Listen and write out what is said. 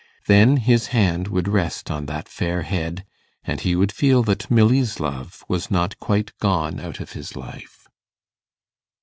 Then his hand would rest on that fair head, and he would feel that Milly's love was not quite gone out of his life.